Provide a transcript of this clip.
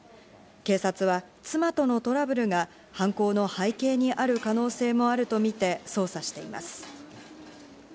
警察は妻とのトラブルが犯行の背景にある可能性もあるとみて捜査しています。